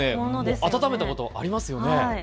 温めたことありますよね。